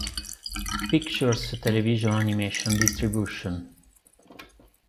Pictures Television Animation Distribution.